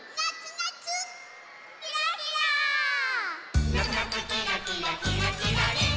「なつなつキラキラキラキラリン！」